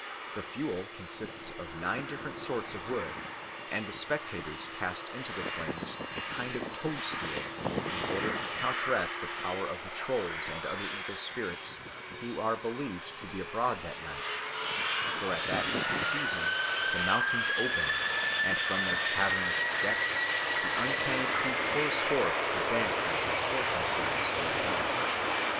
The fuel consists of nine different sorts of wood, and the spectators cast into the flames a kind of toad stool (Bäran) in order to counteract the power of the Trolls and other evil spirits, who are believed to be abroad that night; for at that mystic season the mountains open and from their cavernous depths the uncanny crew pours forth to dance and disport themselves for a time.